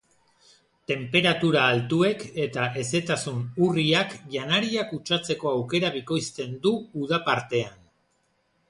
Tenperatura altuek eta hezetasun urriak janaria kutsatzeko aukera bikoitzen du uda partean.